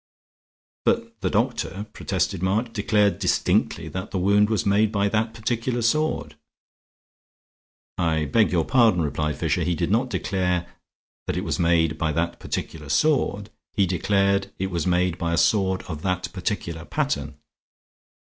"But the doctor," protested March, "declared distinctly that the wound was made by that particular sword." "I beg your pardon," replied Fisher. "He did not declare that it was made by that particular sword. He declared it was made by a sword of that particular pattern."